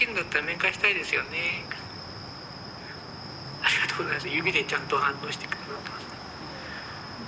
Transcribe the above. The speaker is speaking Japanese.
ありがとうございます。